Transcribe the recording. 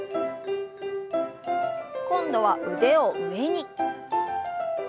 今度は腕を上に。